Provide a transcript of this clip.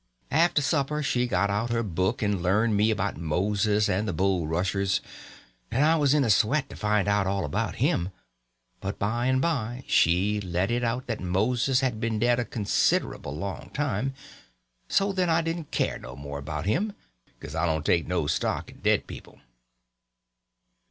After supper she got out her book and learned me about Moses and the Bulrushers, and I was in a sweat to find out all about him; but by and by she let it out that Moses had been dead a considerable long time; so then I didn't care no more about him, because I don't take no stock in dead people.